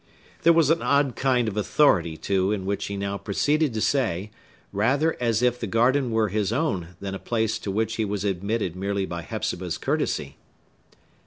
There was an odd kind of authority, too, in what he now proceeded to say, rather as if the garden were his own than a place to which he was admitted merely by Hepzibah's courtesy.